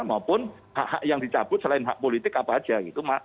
maupun hak hak yang dicabut selain hak politik apa aja gitu